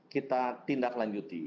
kita tindak lanjuti